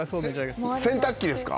洗濯機ですか？